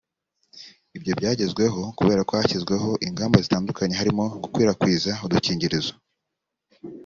Ibyo byagezweho kubera ko hashyizweho ingamba zitandukanye harimo gukwirakwiza udukingirizo